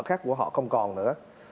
khác của họ không còn nữa